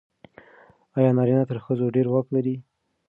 آیا نارینه تر ښځو ډېر واک لري؟